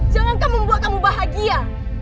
jangan akan membuat kamu bahagia